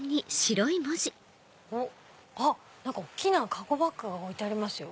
おっ大きな籠バッグが置いてありますよ。